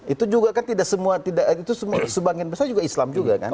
itu juga kan tidak semua tidak itu sebagian besar juga islam juga kan